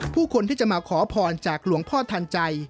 ผู้คนที่จะมาขอพรจากหลวงพ่อทันใจ